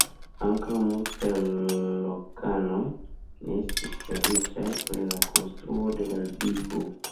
Ankaŭ multaj lokanoj ne estis feliĉaj pri la konstruo de la digo.